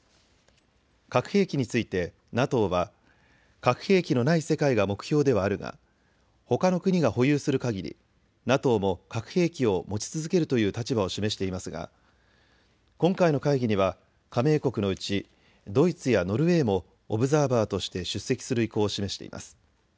核兵器についてＮＡＴＯは核兵器のない世界が目標ではあるがほかの国が保有するかぎりＮＡＴＯも核兵器を持ち続けるという立場を示していますが今回の会議には加盟国のうちドイツやノルウェーもオブザーバーとして出席する意向を示しています。